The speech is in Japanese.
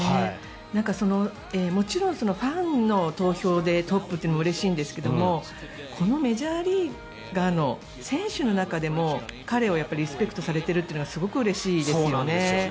もちろんファンの投票でトップというのもうれしいんですけどもこのメジャーリーガーの選手の中でも彼がリスペクトされているのはすごくうれしいですよね。